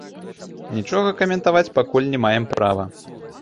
Нічога каментаваць пакуль не маем права.